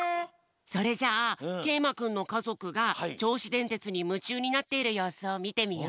それじゃあけいまくんのかぞくがちょうしでんてつにむちゅうになっているようすをみてみよう。